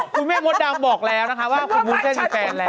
คุณแม่มดดำบอกแล้วนะคะว่าคุณวุ้นเคยมีแฟนแล้ว